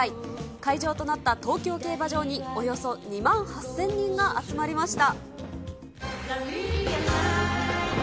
会場となった東京競馬場に、およそ２万８０００人が集まりました。